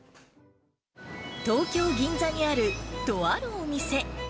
東京・銀座にあるとあるお店。